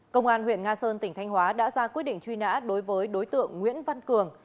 công an huyện nga sơn tỉnh thanh hóa đã ra quyết định truy nã đối với đối tượng nguyễn văn cường